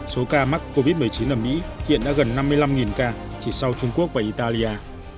số ca mắc covid một mươi chín ở mỹ hiện đã gần năm mươi năm ca chỉ sau trung quốc và italia